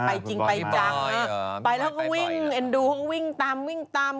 ไปจริงไปจังไปแล้วเขาวิ่งเอ็นดูว์เขาวิ่งตาม